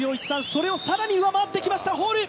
それを更に上回ってきました。